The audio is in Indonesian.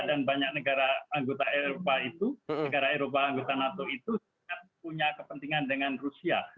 dan banyak negara anggota eropa itu negara eropa anggota nato itu punya kepentingan dengan rusia